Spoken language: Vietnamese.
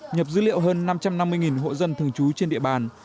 nhập dữ liệu hơn năm trăm năm mươi hộ dân thường trú trên địa bàn